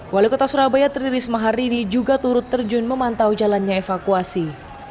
walu kota surabaya tririsma hari ini juga turut terjun memantau jalannya evakuasi